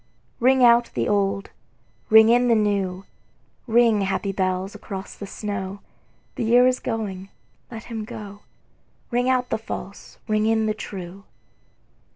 Ring out the old, ring in the new, Ring, happy bells, across the snow: The year is going, let him go; Ring out the false, ring in the true.